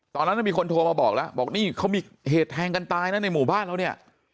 ตอนนั้นมีคนโทรมาบอกแล้วบอกนี่เขามีเหตุแทงกันตายนะในหมู่บ้านเราเนี่ย